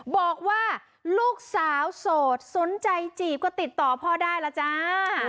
บอกว่าลูกสาวโสดสนใจจีบก็ติดต่อพ่อได้ล่ะจ้า